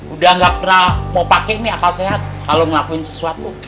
udah gak pernah mau pakai ini akal sehat kalau ngelakuin sesuatu